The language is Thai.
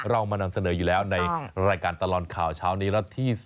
เรามานำเสนออยู่แล้วในรายการตลอดข่าวเช้านี้แล้วที่๓